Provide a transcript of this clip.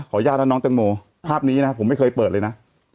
ขออนุญาตน้องเติมโมภาพนี้น่ะผมไม่เคยเปิดเลยน่ะอ๋อ